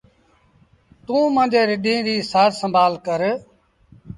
توٚنٚ مآݩجيٚ رڍينٚ ريٚ سآر سنڀآر ڪر۔